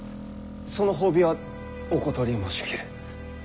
その褒美はお断り申し上げる。